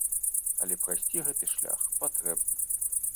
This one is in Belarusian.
Але прайсці гэты шлях патрэбна.